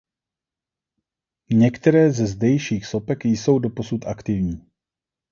Některé ze zdejších sopek jsou doposud aktivní.